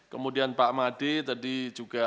kemudian pak made tadi juga